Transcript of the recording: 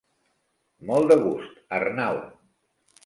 Molt de gust, Arnau.